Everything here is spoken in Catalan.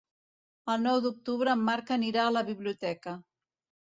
El nou d'octubre en Marc anirà a la biblioteca.